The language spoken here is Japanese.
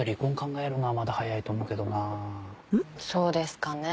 そうですかね？